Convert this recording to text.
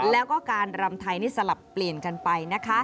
แล้วก็การรำไทยนี่สลับเปลี่ยนกันไปนะคะ